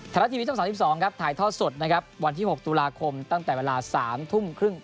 ฐานาทีวีที่๓๒ถ่ายท่อสดนะครับวันที่๖ตุลาคมตั้งแต่เวลา๓ทุ่มครึ่ง